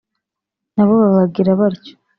na bo babagira batyo